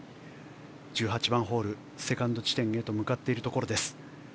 １８番ホールのセカンド地点へ向かっているところです。